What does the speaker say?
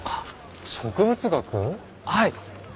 はい。